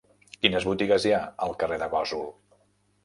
Quines botigues hi ha al carrer de Gósol?